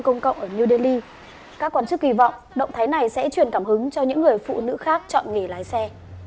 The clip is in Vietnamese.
các quản chức kỳ vọng động thái này sẽ truyền cảm hứng cho những người phụ nữ khác chọn nghỉ lái xe